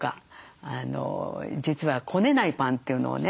実はこねないパンというのをね